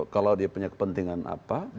kalau dia punya kepentingan apa